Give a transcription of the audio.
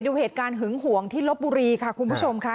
ดูเหตุการณ์หึงห่วงที่ลบบุรีค่ะคุณผู้ชมค่ะ